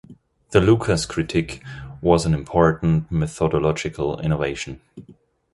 The Lucas critique was an important methodological innovation.